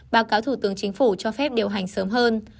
báo cáo thủ tướng chính phủ cho phép điều hành sớm hơn